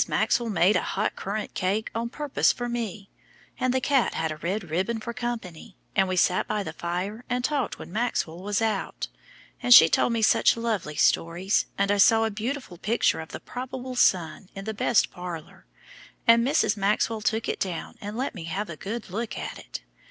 Maxwell made a hot currant cake on purpose for me, and the cat had a red ribbon for company, and we sat by the fire and talked when Maxwell was out, and she told me such lovely stories, and I saw a beautiful picture of the probable son in the best parlor, and Mrs. Maxwell took it down and let me have a good look at it.